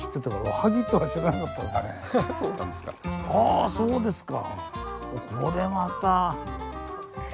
あそうですか。